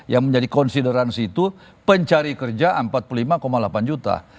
yang menjadi konsideransi itu pencari kerja empat puluh lima delapan juta